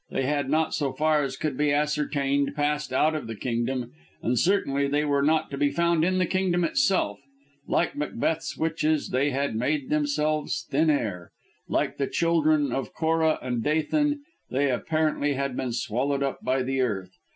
They had not, so far as could be ascertained, passed out of the kingdom, and certainly they were not to be found in the kingdom itself. Like Macbeth's witches, they had made themselves thin air: like the children of Korah and Dathan, they apparently had been swallowed up by the earth.